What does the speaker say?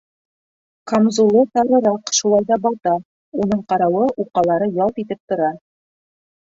Камзулы тарыраҡ, шулай ҙа бата: уның ҡарауы уҡалары ялт итеп тора.